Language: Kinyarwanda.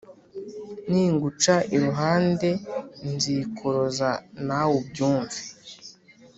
Ninguca iruhande nzikoroza nawe ubyumve